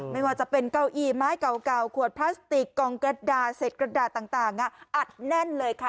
ไม้เก่าขวดพลาสติกกองกระดาษเศษกระดาษต่างอัดแน่นเลยค่ะ